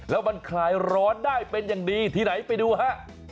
แล้วมันคลายร้อนได้เป็นอย่างดีที่ไหนไปดูฮะ